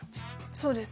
そうです。